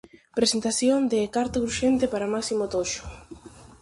Presentación de "Carta urxente para Máximo Toxo".